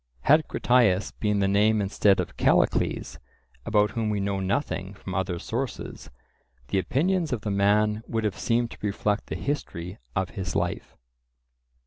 Had Critias been the name instead of Callicles, about whom we know nothing from other sources, the opinions of the man would have seemed to reflect the history of his life.